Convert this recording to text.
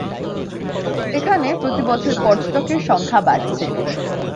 এখানে প্রতিবছর পর্যটকের সংখ্যা বাড়ছে।